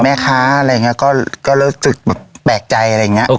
แม่ค้าอะไรอย่างเงี้ยก็ก็เริ่มสึกแบบแปลกใจอะไรอย่างเงี้ยเอ้า